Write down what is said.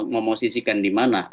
memosisikan di mana